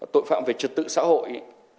tội phạm về trật tự xã hội